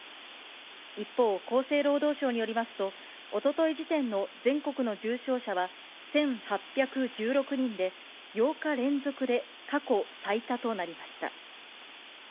一方、厚生労働省によりますと、おととい時点の全国の重症者は１８１６人で、８日連続で過去最多となりました。